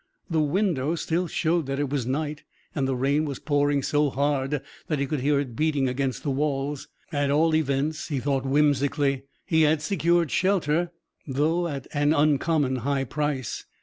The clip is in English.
The window still showed that it was night, and the rain was pouring so hard that he could hear it beating against the walls. At all events, he thought whimsically, he had secured shelter, though at an uncommon high price.